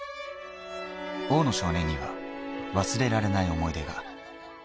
大野少年には忘れられない思い出が。